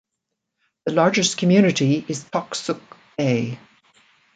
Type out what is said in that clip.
The largest community is Toksook Bay.